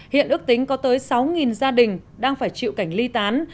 hiện ước tính có tới sáu gia đình đang phải chịu cảnh ly tán